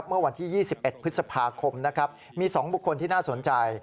เมื่อวันที่๒๑พฤษภาคมนะครับมี๒บุคคลที่น่าสนใจ